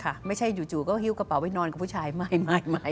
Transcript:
ไม่ใช่จู่ก็หิ้วกระเป๋าไปนอนกับผู้ชายใหม่